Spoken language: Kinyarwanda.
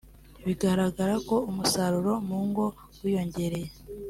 biragaragara ko umusaruro mu ngo wiyongera